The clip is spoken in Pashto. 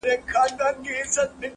چاته وايی چي آواز دي اسماني دی!.